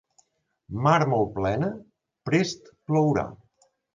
Mar molt plena, prest plourà.